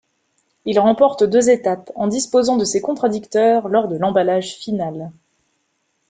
Il remporte deux étapes, en disposant de ses contradicteurs lors de l'emballage final.